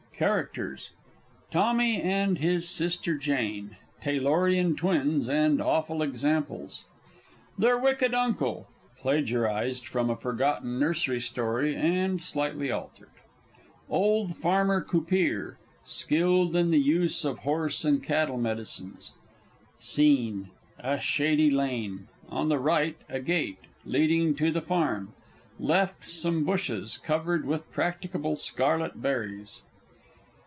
CHARACTERS. Tommy and his Sister Jane (Taylorian Twins, and awful examples). Their Wicked Uncle (plagiarised from a forgotten Nursery Story, and slightly altered). Old Farmer Copeer (skilled in the use of horse and cattle medicines). SCENE _A shady lane; on the right, a gate, leading to the farm; left, some bashes, covered with practicable scarlet berries.